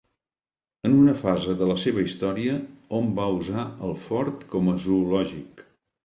En una fase de la seva història hom va usar el fort com a zoològic.